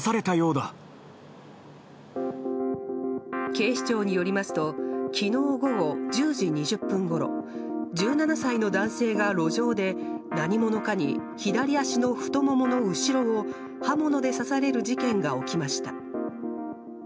警視庁によりますと昨日午後１０時２０分ごろ１７歳の男性が路上で何者かに左足の太ももの後ろを刃物で刺される事件が起きました。